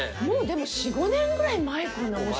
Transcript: もうでも４５年ぐらい前かな。